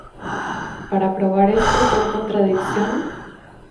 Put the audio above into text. Para probar esto por contradicción,